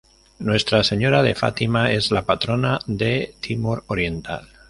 Nuestra Señora de Fátima es la patrona de Timor Oriental.